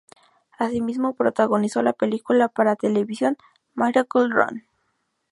Asimismo, protagonizó la película para televisión "Miracle Run".